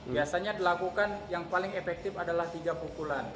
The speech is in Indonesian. biasanya dilakukan yang paling efektif adalah tiga pukulan